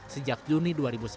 sejak juni dua ribu sembilan belas